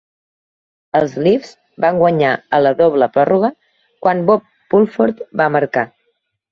Els Leafs van guanyar a la doble pròrroga quan Bob Pulford va marcar.